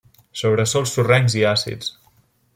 Sobre sòls sorrencs àcids.